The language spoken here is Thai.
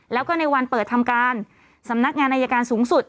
แล้วก็ในวันเปิดทำการสำนักงานอายการสูงสุด